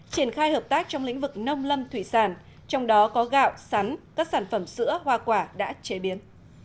triển khai hợp tác trong lĩnh vực nông lâm thủy sản trong đó có gạo sắn các sản phẩm sữa hoa quả đã chế biến